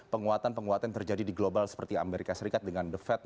penguatan penguatan yang terjadi di global seperti amerika serikat dengan the fed